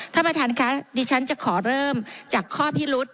ถ้าไม่ทันค่ะดิฉันจะขอเริ่มจากข้อพิรุษ